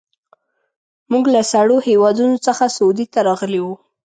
موږ له سړو هېوادونو څخه سعودي ته راغلي وو.